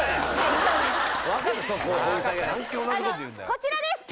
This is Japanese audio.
こちらです